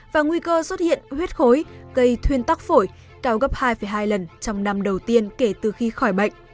và nguy cơ xuất hiện huyết khối gây thuyên tắc phổi cao gấp hai hai lần trong năm đầu tiên kể từ khi khỏi bệnh